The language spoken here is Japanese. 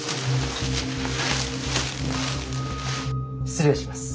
失礼します。